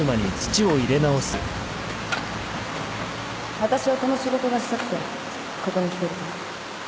わたしはこの仕事がしたくてここに来てるから